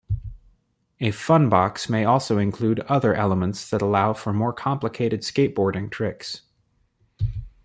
A funbox may also include other elements that allow for more complicated skateboarding tricks.